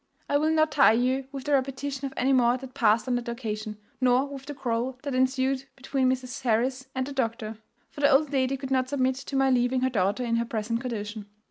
"I will not tire you with the repetition of any more that past on that occasion, nor with the quarrel that ensued between Mrs. Harris and the doctor; for the old lady could not submit to my leaving her daughter in her present condition.